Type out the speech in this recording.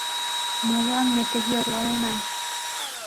Молан ме тыге орланена?..